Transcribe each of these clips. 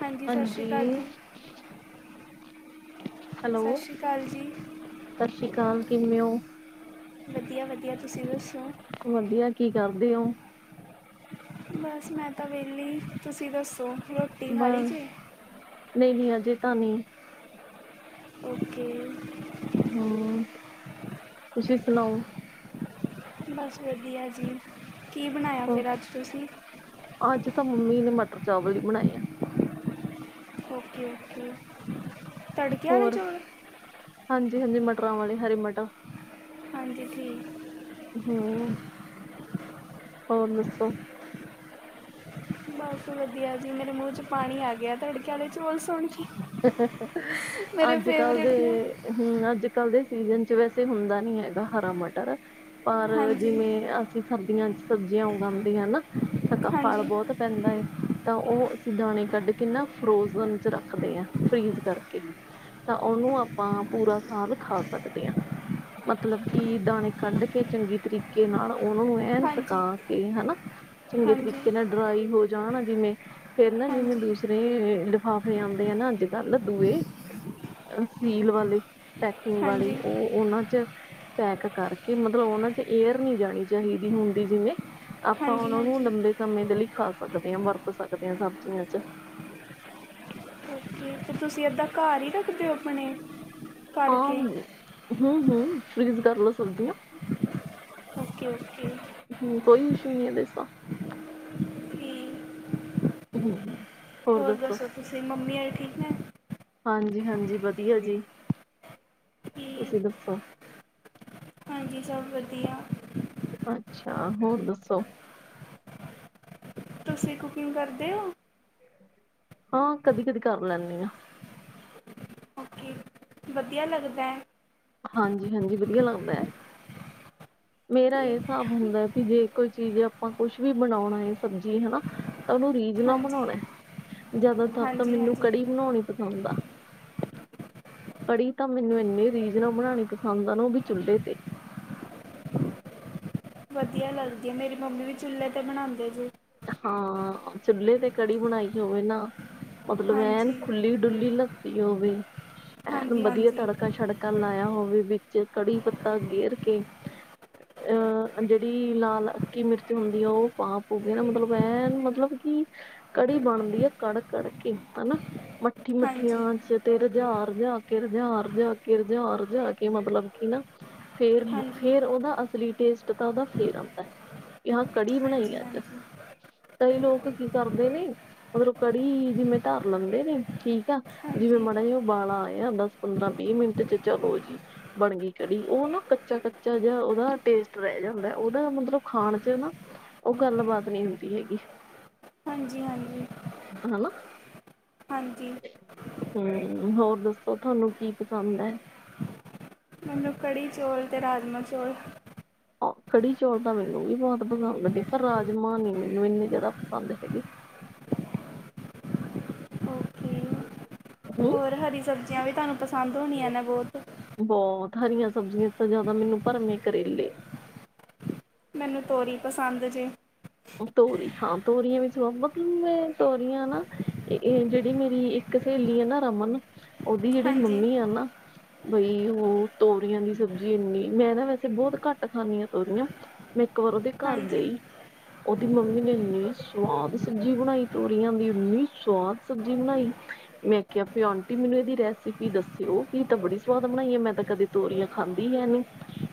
ਹਾਂਜੀ, ਸਤਿ ਸ਼੍ਰੀ ਅਕਾਲ ਜੀ। ਸਤਿ ਹੈਲੋ, ਸ਼੍ਰੀ ਅਕਾਲ ਜੀ। ਸਤਿ ਸ਼੍ਰੀ ਅਕਾਲ ਕਿਵੇਂ ਹੋ? ਵਧੀਆ- ਵਧੀਆ, ਤੁਸੀਂ ਦੱਸੋ? ਵਧੀਆ। ਕੀ ਕਰਦੇ ਔ? ਬਸ ਮੈਂ ਤਾਂ ਵੇਹਲੀ, ਤੁਸੀ ਦੱਸੋ। ਰੋਟੀ ਖਾ ਲਈ ਬਸ ਜੀ ਨਹੀ- ਨਹੀਂ ਅਜੇ ਤਾਂ ਨਹੀਂ। ਔਕੇ। ਹੂੰ, ਤੁਸੀਂ ਸੁਣਾਓ। ਬਸ ਵਧੀਆ ਜੀ। ਕੀ ਬਣਾਇਆ ਹੋਰ, ਫਿਰ ਅੱਜ ਤੁਸੀ? ਅੱਜ ਤਾਂ ਮੰਮੀ ਨੇ ਮਟਰ ਚਾਵਲ ਹੀ ਬਣਾਏ ਆ। Okay- okay. ਹੋਰ, ਹਾਂਜੀ- ਹਾਂਜੀ। ਮਟਰਾਂ ਵਾਲੇ, ਹਰੇ ਮਟਰ ਹਾਂਜੀ ਠੀਕ ਹੈ। ਹੂੰ, ਹੋਰ ਦੱਸੋ? ਬਸ ਵਧੀਆ ਜੀ। ਮੇਰੇ ਮੂੰਹ ਚ ਪਾਣੀ ਆ ਗਿਆ। ਤੜਕੇ ਵਾਲੇ ਚੋਲ ਸੁਣ ਕੇ, ਮੇਰੇ ਫੇਵਰੇਟ ਨੇ। ਹੂੰ ਅੱਜ -ਕੱਲ ਦੇ ਸੀਜਨ ਚ ਵੈਸੇ ਹੁੰਦਾ ਨੀ ਹੈਗਾ ਹਰਾ ਮਟਰ। ਪਰ ਹਾਂਜੀ ਜਿਵੇਂ ਅਸੀਂ ਸਰਦੀਆਂ ਚ ਸਬਜ਼ੀਆਂ ਉਗਾਉਂਦੇ ਹਾਂ ਨਾ ਤਾਂ ਕ ਫਲ ਹਾਂਜੀ ਬੋਤ ਪੈਂਦਾ ਏ ਤਾਂ ਉਹ ਅਸੀ ਦਾਣੇ ਕੱਢ ਕੇ ਨਾ ਫਰੋਜਨ ਚ ਰੱਖ ਰੱਖਦੇ ਆਂ ਫਰੀਜ਼ ਕਰਕੇ, ਤਾਂ ਉਹਨੂੰ ਆਪਾਂ ਪੂਰਾ ਸਾਲ ਖਾ ਸਕਦੇ ਆਂ। ਮਤਲਬ ਕਿ ਦਾਣੇ ਕੱਢ ਕੇ ਚੰਗੀ ਤਰੀ ਰੀਕੇ ਨਾਲ ਉਨੂੰ ਐਂ ਸਕਾ ਹਾਂਜੀ ਕੇ ਹੈਨਾਂ, ਹਾਂਜੀ ਚੰਗੇ ਹਾਂਜੀ ਤਰੀਕੇ ਨਾਲ ਡਰਾਈ ਹੋ ਜਾਣ ਜਿਵੇਂ ਫੇਰ ਨਾ ਜਿਵੇਂ ਦੂਸਰੇ ਲਿਫਾਫੇ ਆਂਦੇ ਆ ਨਾ ਅੱਜ-ਕਲ ਦੂਏ ਸੀਲ ਵਾਲੇ, ਪੈਕਿੰਗ ਵਾਲੇ ਹਾਂਜੀ ਉਹ ਉਹਨਾਂ ਚ ਪੈਕ ਕਰਕੇ ਮਤਲਬ ਉਹਨਾਂ ਚ ਏਅਰ ਨ੍ਹੀਂ ਜਾਣੀ ਚਹੀਦੀ ਹੁੰਦੀ ਜਿਵੇਂ ਆਪਾਂ ਹਾਂਜੀ ਉਹਨਾਂ ਨੂੰ ਹਾਂਜੀ ਲੰਬੇ ਸਮੇਂ ਦੇ ਲਈ ਖਾ ਸਕਦੇ ਆਂ, ਵਰਤ ਸਕਦੇ ਆਂ ਸਬਜ਼ੀਆਂ ਚ [inaudible] ਤੁਸੀਂ ਏਧਾ ਘਰ ਈ ਰੱਖਦੇ ਹੋ ਅਪਣੇ। ਹਾਂ, ਹਂ, ਹਂ। ਫ੍ਰੀਜ਼ ਕਰ ਲੋ ਸਬਜ਼ੀਆਂ। Okay okay. ਹਂ, ਕੋਈ ਇਸ਼ੂ ਨੀਂ ਐ ਦੇ ਚ ਤਾਂ ਠੀਕ ਹਂ। ਹੋਰ ਦਸੋ ਤੁਸੀਂ, ਮੰਮੀ ਅਰੀ ਠੀਕ ਨੇ ਹਾਂਜੀ ਹਾਂਜੀ ਵਧੀਆ ਜੀ, ਤੁਸੀਂ ਠੀਕ ਦੱਸੋ? ਹਾਂਜੀ ਸਭ ਵਧੀਆ। ਅੱਛਾ, ਹੋਰ ਦੱਸੋ? ਤੁਸੀਂ ਕੁਕਿੰਗ ਕਰਦੇ ਔ? ਹਾਂ, ਕਦੀ-ਕਦੀ ਕਰ ਲੈਨੀ ਆਂ। ਓਕੇ। ਵਧੀਆ ਲਗਦੈ? ਹਾਂਜੀ ਹਾਂਜੀ, ਵਧੀਆ ਲੱਗਦੈ ਐ। ਮੇਰਾ ਤੇ ਇਹ ਸਾਬ ਹੁੰਦਾ ਵੀ ਜੇ ਕੋਈ ਚੀਜ਼ ਆਪਾਂ ਕੁਛ ਵੀ ਬਣਾਉਣਾ ਐ। ਸਬਜ਼ੀ ਹਨਾਂ? ਤਾਂ ਉਨੂੰ ਰੀਝ ਨਾ ਹਾਂਜੀ ਬਣਾਉਣਾ, ਜਿਆਦਾਤਰ ਤਾਂ ਹਾਂਜੀ ਮੈਨੂੰ ਹਾਂਜੀ ਕੜੀ ਬਣਾਉਣੀ ਪਸੰਦ ਆ। ਕੜੀ ਤਾਂ ਮੈਨੂੰ ਇੰਨੇ ਰੀਜ ਨਾਲ ਬਣਾਉਣੀ ਪਸੰਦ ਆ ਨਾ। ਉਹ ਵੀ ਚੁੱਲ੍ਹੇ ਤੇ। ਵਧੀਆ ਲੱਗਦੀ ਐ, ਮੇਰੀ ਮੰਮੀ ਵੀ ਚੁੱਲ੍ਹੇ ਤੇ ਬਣਾਉਂਦੇ ਜੇ। ਹਾਂ, ਚੁੱਲੇ ਤੇ ਕੜੀ ਬਣਾਈ ਹੋਵੇ ਨਾ, ਮਤਲਬ ਐਨ ਹਾਂਜੀ ਖੁੱਲੀ। ਡੁੱਲੀ ਲੱਸੀ ਹੋਵੇ, ਐਨ ਹਾਂਜੀ ਵਧੀਆ ਹਾਂਜੀ ਤੜਕਾ-ਛਡਕਾ ਲਾਇਆ ਹੋਵੇ ਵਿੱਚ ਕੜੀ ਪੱਤਾ ਗੇਰ ਕੇ। ਅਹ, ਜੇੜੀ ਲਾਲ ਅੱਕੀ ਮਿਰਚ ਹੁੰਦੀ ਆ, ਉਹ ਪਾ ਪ ਮੇਰਾ ਮਤਲਬ ਐ, ਮਤਲਬ ਕਿ ਕੜੀ ਬਣਦੀ ਆ, ਕੜ-ਕੜ ਕੇ ਹਨਾਂ ਮਠ ਮਿੱਠੀ ਹਾਂਜੀ ਮੱਠੀਆਂ ਚ ਤੇ ਰੁਝਾਰ ਜਾ ਕੇ, ਰੁਝਾਰ ਜਾ ਕੇ, ਰੁਝਾਰ ਜਾਕੇ, ਮਤਲਬ ਕਿ ਨਾ। ਹਾਂਜੀ ਹਾਂਜੀ ਫੇਰ-ਫੇਰ ਓਦਾ ਅਸਲੀ ਟੇਸਟ ਤਾਂ ਓਦਾ ਫੇਰ ਆਂਦੈ ਕਿਆ ਕੜੀ ਬਣਾਈ ਐ ਹਾਂਜੀ ਅੱਜ। ਕਈ ਲੋਕ ਕੀ ਕਰਦੇ ਨੇ ਮਤਲਬ ਕੜੀ ਜਿਵੇਂ ਧਰ ਲੈਂਦੇ ਨੇ ਠੀਕ ਆ। ਜਿਵੇਂ ਹਾਂਜੀ ਮਾੜਾ ਜੀ ਓਵਾਲਾ ਆਇਆ ਦਸ ਪੰਦਰਾਂ ਵੀਹ ਮਿੰਟ ਚ ਚਲੋ ਜੀ। ਬਣ ਗਈ ਕੜੀ ਓ ਨਾ ਕੱਚਾ-ਕੱਚਾ ਜਿਆ ਓਦਾ ਟੇਸਟ ਰਹਿ ਜਾਂਦਾ ਓਦਾ ਮਤਲਬ ਖਾਣ ਚ ਨਾ। ਓ ਗੱਲਬਾਤ ਨੀ ਹੁੰਦੀ ਹੈਗੀ। ਹਾਂਜੀ-ਹਾਂਜੀ। ਹਨਾ। ਹਾਂਜੀ। ਹੂੰ, ਹੋਰ ਦੱਸੋ ਤੁਆਨੂੰ ਕੀ ਪਸੰਦ ਐ। ਮੈਨੂੰ ਕੜੀ-ਚੌਲ ਅਤੇ ਰਾਜਮਾਂ ਚੌਲ। ਹਾਂ ਕੜੀ-ਚੌਲ ਤਾਂ ਮੈਨੂੰ ਵੀ ਬੋਤ ਪਸੰਦ ਨੇ, ਪਰ ਰਾਜਮਾਂ ਨੀ ਮੈਨੂੰ ਏਨੇ ਜਾਦਾ ਪਸੰਦ ਹੈਗੇ। ਓਕੇ ਹੂੰ [inaudible] ਹੋਰ ਹਰੀ ਸਬਜ਼ੀਆਂ ਵੀ ਤਾਨੂੰ ਪਸੰਦ ਹੋਣੀਆਂ ਨੇ ਬੋਤ ਬੋਤ ਹਰੀਆਂ ਸਬਜ਼ੀਆਂ ਤਾਂ ਜਾਦਾ ਮੈਨੂੰ ਭਰਮੇ ਕਰੇਲੇ। ਮੈਨੂੰ ਤੋਰੀ ਪਸੰਦ ਜੇ। ਤੋਰੀ ਹਾਂ ਤੋਰੀਆਂ ਵੀ ਸਵਾ ਵਕਨ ਮੈਂ ਤੋਰੀਆਂ ਨਾ ਏਹ ਜੇੜੀ ਮੇਰੀ ਇੱਕ ਸਹੇਲੀ ਆ ਨਾ ਰਮਨ ਓਦੀ ਜੇੜੀ ਹਾਂਜੀ ਮੰਮੀ ਆ ਨਾ ਬਈ ਓ ਤੋਰੀਆਂ ਦੀ ਸਬਜ਼ੀ ਏਨੀ ਮੈਂ ਨਾ ਵੈਸੇ ਬਹੁਤ ਘੱਟ ਖਾਂਣੀ ਹਾਂ ਤੋਰੀਆਂ। ਮੈਂ ਇੱਕ ਵਾਰ ਓਦੇ ਘਰ ਹਾਂਜੀ ਗਈ। ਓਦੀ ਮੰਮੀ ਨੇ ਏਨੀ ਸਵਾਦ ਸਬਜ਼ੀ ਬਨਾਈ ਤੋਰੀਆਂ ਦੀ ਏਨੀ ਸਵਾਦ ਸਬਜ਼ੀ ਬਣਾਈ। ਮੈਂ ਕਿਹਾ ਪਿ ਆਂਟੀ ਮੈਨੂੰ ਏਦੀ ਰੈਸਪੀ ਦੱਸਿਓ ਏ ਤਾਂ ਬੜੀ ਸਵਾਦ ਬਨਾਈ ਏ ਮੈਂ ਤਾਂ ਕਦੇ ਤੋਰੀਆਂ ਖਾਂਦੀ ਹੈ ਨੀ।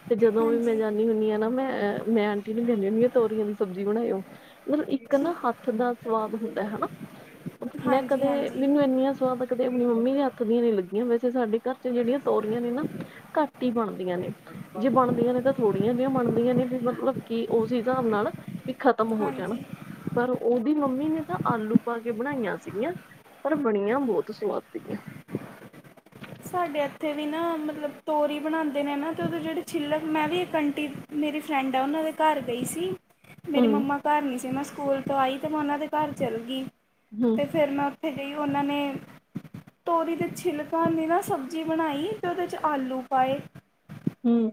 ਤੇ ਜਦੋਂ ਵੀ ਮੈਂ ਹਾਂਜੀ ਜਾਂਨੀ ਹੁੰਨੀ ਆਂ ਨਾ ਮੈਂ, ਮੈਂ ਆਂਟੀ ਨੂੰ ਕਹਿੰਨੀ ਹੁੰਨੀ ਆਂ ਤੋਰੀ ਦੀ ਸਬਜ਼ੀ ਬਨਾਇਓ ਮਤਲਬ ਇੱਕ ਨਾ ਹੱਥ ਦਾ ਸਵਾਦ ਹੁੰਦੈ ਹਨਾ। ਮੈਂ ਹਾਂਜੀ ਕਦੇ ਹਾਂਜੀ ਮੈਨੂੰ ਏਨੀਆਂ ਸਵਾਦ ਕਦੇ ਆਪਣੀ ਮੰਮੀ ਦੇ ਹੱਥ ਦੀਆਂ ਨੀ ਲੱਗੀਆਂ ਵੈਸੇ ਸਾਡੇ ਘਰ ਚ ਜੇੜੀਆਂ ਤੋਰੀਆਂ ਨੇ ਨਾ। ਘੱਟ ਈ ਬਣਦੀਆਂ ਨੇ। ਜੇ ਬਣਦੀਆਂ ਨੇ ਤਾਂ ਥੋੜੀਆਂ ਜੇਹੀਆਂ ਬਣਦੀਆਂ ਨੇ ਵੀ ਮਤਲਬ ਕੀ ਓਸ ਹਿਸਾਬ ਨਾਲ। ਵੀ ਖਤਮ ਹੋ ਜਾਣਾ ਹਾਂਜੀ ਪਰ ਓਦੀ ਮੰਮੀ ਨੇ ਤਾਂ ਆਲੂ ਪਾ ਕੇ ਬਣਾਈਆਂ ਸੀਗੀਆਂ। ਪਰ ਬਣੀਆਂ ਬਹੁਤ ਸੁਵਾਦ ਸੀਗੀਆਂ। ਸਾਡੇ ਇੱਥੇ ਵੀ ਨਾ ਮਤਲਬ ਤੋਰੀ ਬਣਾਉਂਦੇ ਨੇ ਨਾ ਤੇ ਉਹਦੇ ਜਿਹੜੇ ਛਿੱਲੜ ਮੈਂ ਵੀ ਇੱਕ ਆੰਟੀ ਮੇਰੀ ਫਰੈਂਡ ਆ, ਉਹਨਾਂ ਦੇ ਘਰ ਗਈ ਸੀ। ਮੇਰੀ ਹੂੰ ਮੰਮਾ ਘਰ ਨੀ ਸੀ ਮੈਂ ਸਕੂਲ ਤੋਂ ਆਈ ਤੇ ਮੈਂ ਉਨਾਂ ਦੇ ਘਰ ਚੱਲ ਗੀ ਹੂੰ ਤੇ ਫੇਰ ਮੈਂ ਉੱਥੇ ਗਈ ਉਹਨਾਂ ਨੇ, ਤੋਰੀ ਤੇ ਛਿਲਕਾਂ ਦੀ ਨਾ ਸਬਜ਼ੀ ਬਣਾਈ ਤੇ ਉਹਦੇ ਚ ਆਲੂ ਪਾਏ। ਹਂ।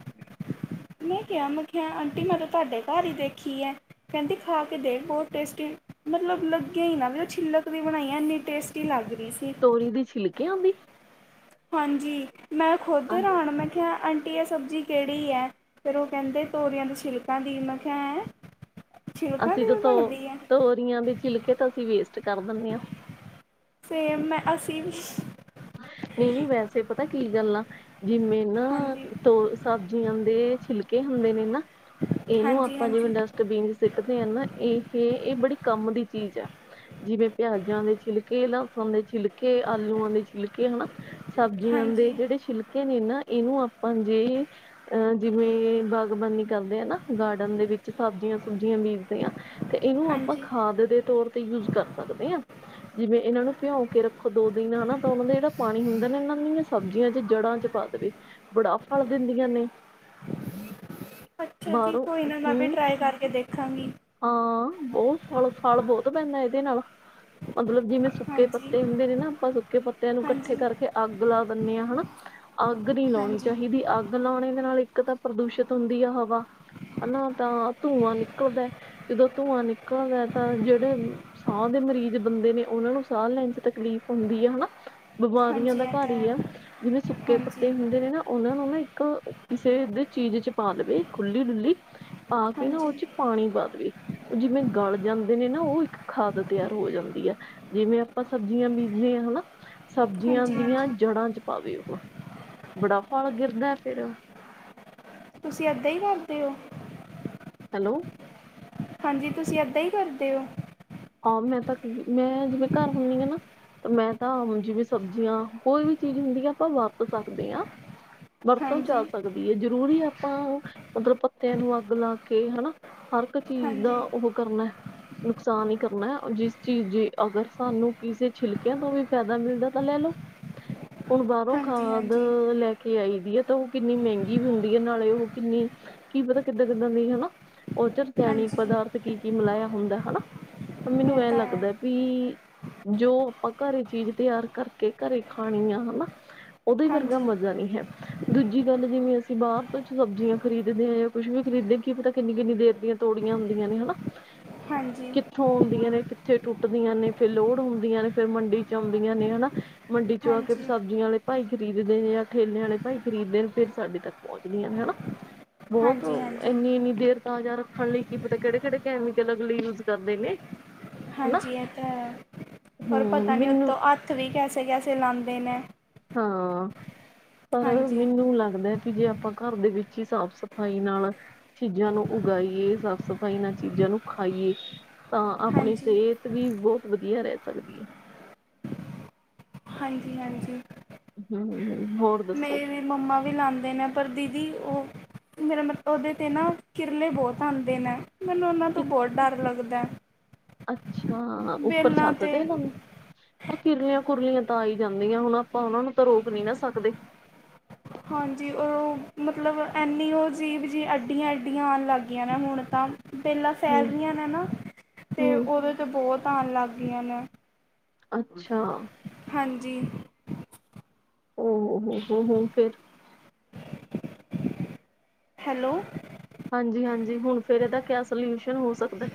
ਮੈਂ ਕਿਆ ਮੈ ਆਖਿਆ ਆਂਟੀ ਮੈਂ ਤੇ ਤਾਡੇ ਘਰ ਈ ਦੇਖੀ ਐ, ਕੈਂਦੀ ਖਾ ਕੇ ਦੇਖ ਬੋਤ ਟੇਸਟੀ ਮਤਲਬ ਲੱਗਿਆ ਈ ਨਾ ਵੀ ਛਿੱਲਕ ਦੀ ਬਣਾਈ ਆ, ਇੰਨੀ ਟੇਸਟੀ ਲੱਗ ਰਈ ਸੀ। ਤੋਰੀ ਦੀ, ਛਿਲਕਿਆਂ ਦੀ। ਹਾਂਜੀ ਮੈਂ ਖੁਦ ਆਹ ਹਰਾਣ ਮੈਂ ਕਿਆ ਆਂਟੀ ਇਹ ਸਬਜ਼ੀ ਕੇੜੀ ਐ। ਫਿਰ ਉਹ ਕਹਿੰਦੇ ਤੋਰੀਆਂ ਦੀ ਛਿਲਕਾਂ ਦੀ। ਮੈਂ ਕਿਆ, ਹੈਂ? ਛਿਲਕਾਂ ਅਸੀਂ ਦੀ ਤੇ ਵੀ ਤੋ, ਬਣਦੀ ਹੈ ਤੋਰੀਆਂ ਦੇ ਛਿਲਕੇ ਤਾਂ ਅਸੀਂ ਵੇਸਟ ਕਰ ਦਿੰਣੇ ਆਂ। ਤੇ ਮੈਂ ਅਸੀਂ ਵੀ ਨਹੀਂ-ਨਹੀਂ ਵੈਸੇ ਪਤਾ ਕੀ ਗੱਲ ਆ। ਜਿਵੇਂ ਨਾ ਹਾਂਜੀ ਸਬਜੀਆਂ ਦੇ ਛਿਲਕੇ ਹੁੰਦੇ ਨੇ ਨਾ ਇਹਨੂੰ ਹਾਂਜੀ ਆਪਾਂ ਜਿਵੇਂ ਹਾਂਜੀ ਡਸ ਸੁਟੇਦੇ ਆਂ ਨਾ ਇਹ-ਇਹ ਬੜੀ ਕੰਮ ਦੀ ਚੀਜ ਆ। ਜਿਵੇਂ ਪਿਆਜਾਂ ਦੇ ਛਿਲਕੇ, ਲ੍ਹਸਣ ਦੇ ਛਿਲਕੇ, ਆਲੂਆਂ ਦੇ ਛਿਲਕੇ ਛਿਲਕੇ ਹਨਾ, ਸਬਜੀਆਂ ਦੇ ਹਾਂਜੀ ਜਿਹੜੇ ਛਿਲਕੇ ਨੇ ਨਾ ਇਹਨੂੰ ਆਪਾਂ ਜੇ ਜਿਵੇਂ ਬਾਗਬਾਨੀ ਕਰਦੇ ਆਂ ਨਾ, ਗਾਰਡਨ ਦੇ ਵਿੱਚ ਸਬਜੀਆਂ -ਸੁਬਜ਼ੀਆਂ ਬੀਜਦੇ ਆਂ ਤੇ ਇਹਨੂੰ ਆਪਾਂ ਹਾਂਜੀ ਖਾਦ ਦੇ ਤੌਰ ਤੇ ਯੂਜ਼ ਕਰ ਸਕਦੇ ਆਂ। ਜਿਵੇਂ ਇਹਨਾਂ ਨੂੰ ਭਿਆਉਂ ਕੇ ਰੱਖੋ ਦੋ ਦਿਨ ਹਨਾ ਓਹਨਾਂ ਦਾ ਜਿਹੜਾ ਪਾਣੀ ਹੁੰਦਾ ਨਾ ਇਹਨਾਂ ਨੂੰ ਸਬਜੀਆਂ ਦੀ ਜੜ੍ਹਾਂ ਚ ਪਾ ਦੇਵੇ। ਬੜਾ ਫਲ ਦਿੰਦੀਆਂ ਨੇ। ਅੱਛਾ ਜੀ ਬਾਹਰੋਂ ਕੋਈ ਨਾ ਮੈਂ ਵੀ ਹੂੰ ਟਰਾਈ ਕਰਕੇ ਦੇਖਾਂਗੀ। ਹਾਂ, ਬਹੁਤ ਫੁਲ-ਫਾਲ ਬਹੁਤ ਪੈਂਦੈ ਇਹਦੇ ਨਾਲ। ਮਤਲਬ, ਜਿਵੇਂ ਸੁੱਕੇ ਹਾਂਜੀ ਪੱਤੇ ਹੁੰਦੇ ਨੇ ਨਾ, ਆਪਾਂ ਸੁੱਕੇ ਪੱਤਿਆਂ ਨੂੰ ਇਕੱਠੇ ਹਾਂਜੀ ਕਰਕੇ ਅੱਗ ਲਾ ਦਿੰਦੇ ਹਾਂ ਹਨਾ, ਅੱਗ ਨਹੀਂ ਲਾਉਣੀ ਹਾਂਜੀ ਚਾਹੀਦੀ ਅੱਗ ਅਗ ਲਾਉਣੇ ਦੇ ਨਾਲ ਇੱਕ ਤਾਂ ਪ੍ਰਦੂਸ਼ਿਤ ਹੁੰਦੀ ਆ ਹਵਾ ਹ ਨਾ, ਤਾਂ ਧੂੰਆਂ ਨਿਕੜਦੈ। ਜਦੋਂ ਧੂੰਆਂ ਨਿਕਲੜਦੈ ਤਾਂ ਜਹੜੇ ਸਾਹ ਦੇ ਮਰੀਜ ਬੰਦੇ ਨੇ, ਉਹਨਾਂ ਨੂੰ ਸਾਹ ਲੈਣ ਚ ਤਕਲੀਫ਼ ਹੁੰਦੀ ਹੈ ਹਨਾ। ਬਿਮਾਰੀਆਂ ਹਾਂਜੀ ਦਾ ਇਹ ਘਰ ਤਾਂ ਹੀ ਹੈ ਆ। ਜਿਵੇਂ ਸੁੱਕੇ ਹਾਂਜੀ ਪੱਤੇ ਹੁੰਦੇ ਨੇ ਨਾ ਉਹਨਾਂ ਨੂੰ ਨਾ ਇੱਕ ਕਿਸੇ ਦੇ ਚੀਜ ਚ ਪਾ ਲਵੇ ਖੁੱਲੀ-ਡੁੱਲੀ, ਪਾ ਕੇ ਨਾ ਹਾਂਜੀ ਓਹ ਚ ਪਾਣੀ ਨਾ ਦਵੇ ਉਹ ਜਿਵੇਂ ਗੜ ਜਾਂਦੇ ਨੇ ਨਾ, ਓਹ ਇੱਕ ਖਾਦ ਤਿਆਰ ਹੋ ਜਾਂਦੀ ਐ। ਜਿਵੇਂ ਆਪਾਂ ਸਬਜੀਆਂ ਬੀਜਦੇ ਆਂ ਹਨਾ। ਸਬਜੀਆਂ ਹਾਂਜੀ ਦੀਆਂ ਹਾਂਜੀ ਜੜ੍ਹਾਂ ਚ ਪਾਵੇ ਓਹੋ, ਬੜਾ ਫਲ ਗਿਰਦਾ ਹੈ ਫੇਰ। ਤੁਸੀਂ ਏਦਾਂ ਹੀ ਕਰਦੇ ਹੋ? ਹੈਲੋ। ਹਾਂਜੀ ਤੁਸੀਂ ਏਦਾਂ ਹੀ ਕਰਦੇ ਹੋ? ਹਾਂ, ਮੈਂ ਤਾਂ ਕਈ ਮੈਂ ਜਿਵੇਂ ਘਰ ਹੁੰਨੀ ਆਂ ਨਾ ਮੈਂ, ਤਾਂ ਜਿਵੇਂ ਸਬਜੀਆਂ ਕੋਈ ਵੀ ਚੀਜ਼ ਹੁੰਦੀ ਏ, ਆਪਾਂ ਵਰਤ ਸਕਦੇ ਆਂ। ਵਰਤੋਂ ਜਾ ਹਾਂਜੀ ਸਕਦੀ ਹੈ। ਜਰੂਰੀ ਆਪਾਂ ਮਤਲਬ ਪੱਤੇਆਂ ਨੂੰ ਅੱਗ ਲਾ ਕੇ ਹਨਾ ਹਰਕ ਚੀਜ ਦਾ ਹਾਂਜੀ ਓਹ ਕਰਨਾ ਹੈ, ਨੁਕਸਾਨ ਹੀ। ਕਰਨਾ ਜਿਸ ਚੀਜ, ਅਗਰ ਸਾਨੂੰ ਕਿਸੇ ਛਿਲਕਿਆਂ ਤੋਂ ਵੀ ਫਾਇਦਾ ਮਿਲਦਾ ਹੈ ਤਾਂ ਲੈ ਲੋ। ਹੁਣ ਬਾਹਰੋਂ ਹਾਂਜੀ ਖਾਦ ਹਾਂਜੀ ਲੈ ਕੇ ਆਈ ਦੀ ਆ, ਤੇ ਓਹ ਕਿੰਨੀ ਮਹਿੰਗੀ ਵੀ ਹੁੰਦੀ ਹੈ, ਨਾਲੇ ਓਹ ਕਿੰਨੀ ਕੀ ਪਤਾ ਕਿੱਦਾਂ-ਕਿੱਦਾਂ ਦੀ ਹਨਾ ਓਹ ਚ ਰਸਾਇਣਿਕ ਹਾਂਜੀ ਪਦਾਰਥ ਕੀ-ਕੀ ਮਿਲਾਇਆ ਹੁੰਦੈ ਹਨਾ। ਮਨੂੰ ਇਹ ਐਂ ਤਾਂ ਹੈ ਲੱਗਦੈ ਬੀ ਜੋ ਪਾਂ ਘਰੇ ਚੀਜ ਤੇਆਰ ਕਰਕੇ ਘਰੇ ਖਾਣੀ ਆ ਹਨਾ ਓਦੇ ਵਰਗਾ ਹਾਂਜੀ ਮਜਾ ਨੀ ਹੈ। ਦੂਜੀ ਗੱਲ ਜਿਵੇਂ ਅਸੀਂ ਬਾਹਰ ਕੁਛ ਸਬਜੀਆਂ ਖਰੀਦਦੇ ਆਂ ਜਾਂ ਕੁੱਸ਼ ਵੀ ਖਰੀਦੇ ਕੀ ਪਤਾ ਕਿੰਨੀ -ਕਿੰਨੀ ਦੇਰ ਦੀਆਂ ਤੋੜੀਆਂ ਹੁੰਦੀਆਂ ਨੇ ਹਨਾ। ਹਾਂਜੀ। ਕਿੱਥੋਂ ਓੰਦੀਆਂ ਨੇ, ਕਿੱਥੇ ਟੁੱਟਦੀਆਂ ਨੇ, ਫੇਰ ਲੋੜ ਹੁੰਦੀਆਂ ਨੇ, ਫੇਰ ਮੰਡੀ ਚ ਆਉਂਦੀਆਂ ਨੇ ਹਨਾ ਮੰਡੀ ਚੋਂ ਆ ਕੇ ਫੇਰ ਹਾਂਜੀ ਸਬਜੀਆਂ ਆੜੇ ਭਾਈ ਖਰੀਦਦੇ ਨੇ, ਜਾਂ ਠੇਲੇ ਆਲੇ ਭਾਈ ਖਰੀਦਦੇ, ਫੇਰ ਸਾਡੇ ਤੱਕ ਪੋਂਚਦੀਆਂ ਨੇ ਹਨਾ। ਬੋਹੋਤ ਹਾਂਜੀ ਹਾਂਜੀ ਏਨੀ-ਏਨੀ ਦੇਰ ਤਾਜਾ ਰੱਖਣ ਲਈ ਕਿ ਪਤਾ ਕੇੜੇ- ਕੇੜੇ ਕੈਮੀਕਲ ਅਗਲੇ ਯੂਜ਼ ਕਰਦੇ ਨੇ। ਹਨਾ ਹਾਂਜੀ ਏ ਤਾਂ ਹੈ, ਹੋਰ ਪਤਾ ਹੂੰ ਨੀ ਮੈਨੂੰ ਉੱਤੋਂ ਹੱਥ ਵੀ ਕੈਸੇ-ਕੈਸੇ ਲਾਂਦੇ ਨੇ। ਹਾਂ, ਪਰ ਹਾਂਜੀ ਮਿਨੂੰ ਲੱਗਦੈ ਜੇ ਆਪਾਂ ਘਰ ਦੇ ਵਿੱਚ ਹੀ ਸਾਫ਼ ਸਫ਼ਾਈ ਨਾਲ ਚੀਜ਼ਾਂ ਨੂੰ ਉਗਾਈਏ, ਸਾਫ਼-ਸਫ਼ਾਈ ਨਾਲ ਚੀਜ਼ਾਂ ਨੂੰ ਖਾਈਏ ਤਾਂ ਆਪਣੀ ਹਾਂਜੀ ਸੇਹਤ ਵੀ ਬੋਹ ਵਧੀਆ ਰਹਿ ਸਕਦੀ ਏ। ਹਾਂਜੀ-ਹਾਂਜੀ। ਹੁੰ, ਹੋਰ ਦੱਸੋ। ਮੇਰੀ ਮੰਮਾ ਵੀ ਲਾਂਦੇ ਨੇ ਪਰ, ਦੀਦੀ ਉਹ ਮੇਰਾ ਮਤਲਬ ਉਹਦੇ ਤੇ ਨਾ ਕਿਰਲੇ ਬਹੁਤ ਆਉਂਦੇ ਨੇ, ਮੈਨੂੰ ਉਹਨਾਂ ਤੋਂ ਕਿ ਬਹੁਤ ਡਰ ਲੱਗਦਾ। ਅੱਛਾ, ਉੱਪਰ ਬੇਲਾਂ ਛੱਤ 'ਤੇ ਦੇ ਲ ਕਿਰਲੀਆਂ-ਕੁਰਲੀਆਂ ਤਾਂ ਆਈ ਜਾਂਦੀਆਂ ਹੁਣ, ਆਪਾਂ ਉਹਨਾਂ ਨੂੰ ਤਾਂ ਰੋਕ ਨੀ ਨਾ ਸਕਦੇ। ਹਾਂਜੀ, ਉਹ ਮਤਲਬ ਐੰਨੀ ਉਹ ਜੀਬ ਜੀ ਐੱਡੀਆਂ-ਐੱਡੀਆਂ ਆਉਣ ਲੱਗ ਗਈਆਂ ਨੇ ਹੁਣ ਤਾਂ। ਬੇਲਾਂ ਫੈਲ ਹਮ ਰਹੀਆਂ ਨੇ ਨਾ, ਤੇ ਹਮ ਉਹਦੇ 'ਤੇ ਬਹੁਤ ਆਉਣ ਲੱਗ ਗਈਆਂ ਨੇ। ਅੱਛਾ। ਹੰਜੀ। ਹੋ, ਹੋ-ਹੋ ਫੇਰ ਹੈਲੋ। ਹਾਂਜੀ-ਹਾਂਜੀ, ਹੁਣ ਫੇਰ ਇਹਦਾ ਕਿਆ ਸਲਿਊਸ਼ਨ ਹੋ ਸਕਦਾ?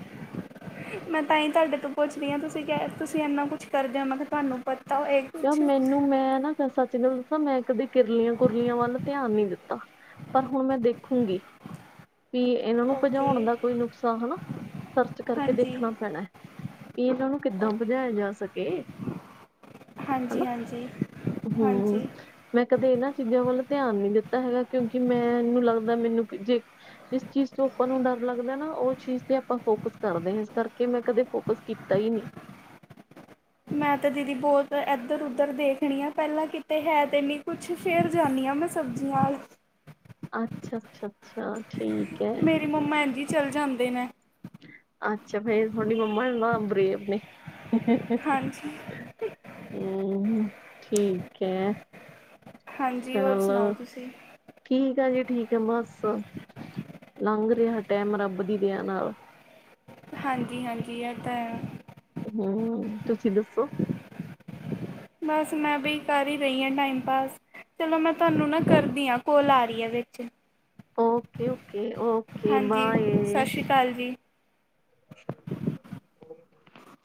ਮੈਂ ਤਾਂ ਹੀ ਤੁਹਾਡੇ ਤੋਂ ਪੁੱਛਦੀ ਆਂ, ਤੁਸੀਂ ਕਹਿ ਤੁਸੀਂ ਇੰਨਾ ਕੁਛ ਕਰ ਦਿਓ। ਮੈਂ ਕਿਹਾ ਤੁਹਾਨੂੰ ਪਤਾ ਹੋ ਇਹ? ਮੈਨੂੰ ਮੈਂ ਨਾ ਸੱਚ ਗੱਲ ਦੱਸਾਂ ਮੈਂ ਕਦੇ ਕਿਰਲੀਆਂ-ਕਿੁਰਲੀਆਂ ਵੱਲ ਧਿਆਨ ਨੀ ਦਿੱਤਾ। ਪਰ ਹੁਣ, ਮੈਂ ਦੇਖੂੰਗੀ। ਵੀ ਇਹਨਾਂ ਨੂੰ ਪਜੋਣ ਓਕੇ ਦਾ ਕੋਈ ਨੁਕਸਾ ਹਨਾ, ਸਰਚ ਕਰਕੇ ਹਾਂਜੀ ਦੇਖਣਾ ਪੈਣਾ। ਕਿ ਇਹਨਾਂ ਨੂੰ ਕਿੱਦਾਂ ਓਕੇ ਪਜਾਇਆ ਜਾ ਸਕੇ। ਹਾਂਜੀ-ਹਾਂਜੀ। ਹੁੰ। ਮੈਂ ਕਦੇ ਇਹਨਾਂ ਚੀਜ਼ਾਂ ਵੱਲ ਤਿਆਨ ਨਈਂ ਦਿੱਤਾ ਹੈਗਾ, ਕਿਉਂਕਿ ਮੈਨੂੰ ਲੱਗਦਾ ਮੈਨੂੰ ਜੇ ਜਿਸ ਚੀਜ਼ ਤੋਂ ਆਪਾਂ ਨੂੰ ਡਰ ਲੱਗਦਾ ਨਾ ਉਸ ਚੀਜ਼ ਤੇ ਆਪਾਂ ਫੋਕਸ ਕਰਦੇ ਆਂ, ਇਸ ਕਰਕੇ ਮੈਂ ਕਦੇ ਫੋਕਸ ਤਈ ਨੀ। ਮੈਂ ਤੇ ਦੀਦੀ ਬਹੁਤ ਏਦਰ-ਔਦਰ ਦੇਖਣੀ ਆ ਪਹਿਲਾਂ, ਕਿਤੇ ਹੈ ਤੇ ਨੀ ਕੁਜ। ਫੇਰ ਜਾਂਨੀ ਆਂ ਮੈਂ, ਸਬਜ਼ੀਆਂ ਅੱਛਾ, ਅੱਛਾ-ਅੱਛਾ, ਠੀਕ। ਹੈ ਮੇਰੀ ਮੰਮਾ ਇੰਝ ਈ ਚੱਲ ਜਾਂਦੇ ਨੇ। ਅੱਛਾ, ਫੇਰ ਤੁਆਡੀ ਮੰਮਾ ਬਾਹ ਬ੍ਰੇਵ ਨੇ। ਹਾਂਜੀ। ਹੁੰ, ਠੀਕ ਐ। ਹਾਂਜੀ ਹੋਰ ਚਲੋ। ਸੁਣਾਓ ਤੁਸੀਂ ਠੀਕ ਆ ਜੀ, ਠੀਕ ਐ, ਬਸ ਲੰਘ ਰਿਹਾ ਟੈਮ ਰੱਬ ਦੀ ਦਯਾ ਨਾਲ। ਹਾਂਜੀ-ਹਾਂਜੀ, ਇਹ ਤਾਂ ਹੈ। ਹੁੰ, ਤੁਸੀਂ ਦੱਸੋ। ਬਸ, ਮੈਂ ਵੀ ਕਰ ਹੀ ਰਹੀਆਂ ਟਾਈਮ ਪਾਸ। ਚਲੋ, ਮੈਂ ਤੁਆਨੂੰ ਨਾ ਕਰਦੀ ਆਂ, ਕੋਲ ਆ ਰਹੀਏ ਵਿੱਚ। Okay, okay okay, bye. ਤਲ ਜੀ। [inaudible]